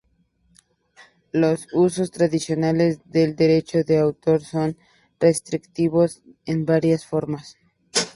Los usos tradicionales del derecho de autor son restrictivos en varias formas.